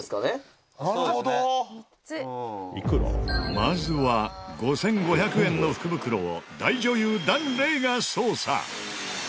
まずは５５００円の福袋を大女優檀れいが捜査！